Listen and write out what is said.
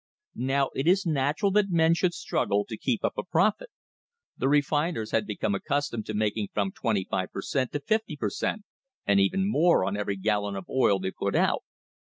Now it is natural that men should struggle to keep up a profit. The refiners had become accustomed to making from twenty five per cent, to fifty per cent., and even more, on every gallon of oil they put out.